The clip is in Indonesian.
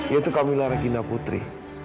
yaitu kamila regina putri